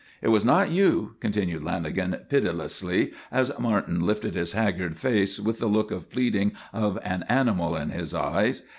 "It was not you," continued Lanagan pitilessly as Martin lifted his haggard face with the look of pleading of an animal in his eyes.